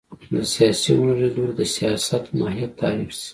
سیاسي علومو له لید لوري سیاست ماهیت تعریف شي